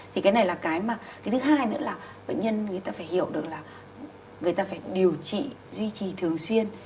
thì cái thứ hai nữa là bệnh nhân người ta phải hiểu được là người ta phải điều trị duy trì thường xuyên